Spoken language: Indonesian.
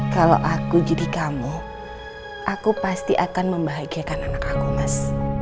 kalau aku jadi kamu aku pasti akan membahagiakan anak aku mas